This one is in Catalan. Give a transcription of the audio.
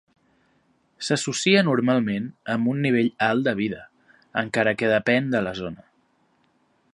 S'associa normalment amb un nivell alt de vida, encara que depèn de la zona.